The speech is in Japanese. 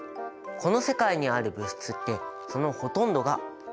この世界にある物質ってそのほとんどが混合物。